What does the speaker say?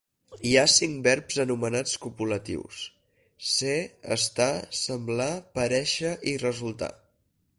Hi ha cinc verbs anomenats copulatius: ser, estar, semblar, parèixer i resultar.